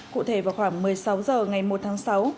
cụ thể vào khoảng một mươi sáu h ngày một tháng sáu